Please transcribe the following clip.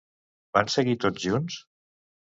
Van seguir tots junts?